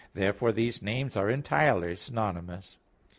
Therefore these names are entirely synonymous.